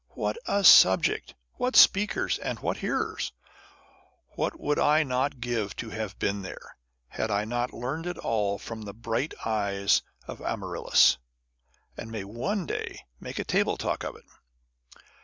What a subject! What speakers, and what hearers ! What would I not give to have been there, had I not learned it all from the bright eyes of Amaryllis, and may one day make a Table talk of it